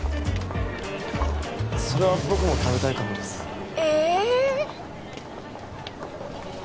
あっそれは僕も食べたいかもですえっ